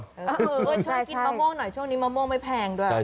เออช่วยกินมะม่วงหน่อยช่วงนี้มะม่วงไม่แพงด้วย